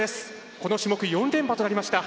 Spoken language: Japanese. この種目４連覇となりました。